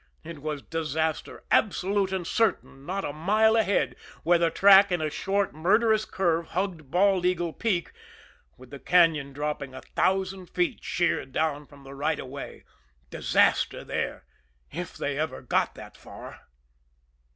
It was disaster absolute and certain not a mile ahead where the track in a short, murderous curve hugged Bald Eagle Peak, with the cañon dropping a thousand feet sheer down from the right of way, disaster there if they ever got that far!